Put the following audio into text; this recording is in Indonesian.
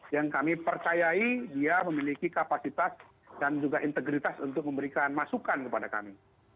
yang kami percayai dia memiliki kapasitas dan juga integritas untuk memberikan masukan kepada kami